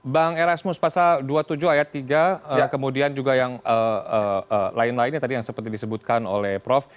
bang erasmus pasal dua puluh tujuh ayat tiga kemudian juga yang lain lainnya tadi yang seperti disebutkan oleh prof